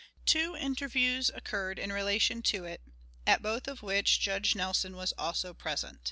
Two interviews occurred in relation to it, at both of which Judge Nelson was also present.